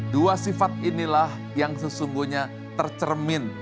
dua sifat inilah yang sesungguhnya tercermin